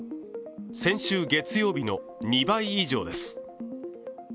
先週月曜日の２倍以上です。